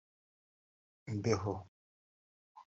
imbeho